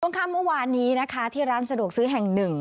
ข้ามเมื่อวานนี้นะคะที่ร้านสะดวกซื้อแห่งหนึ่ง